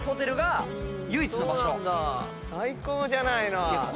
最高じゃないの。